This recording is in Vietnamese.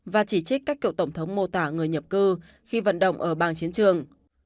và chỉ trích các cựu tổng thống mô tả người nhập cư khi vận động ở bang chiến trường